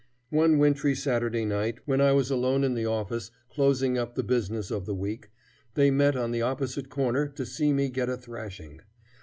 One wintry Saturday night, when I was alone in the office closing up the business of the week, they met on the opposite corner to see me get a thrashing.